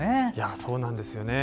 そうなんですよね。